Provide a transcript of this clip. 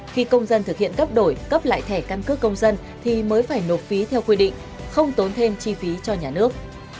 khi công dân thực hiện cấp đổi cấp lại thẻ căn cước công dân thì mới phải nộp phí theo quy định không tốn thêm chi phí cho nhà nước